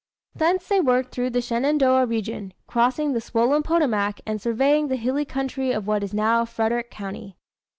Thence they worked through the Shenandoah region, crossing the swollen Potomac and surveying the hilly country of what is now Frederick County.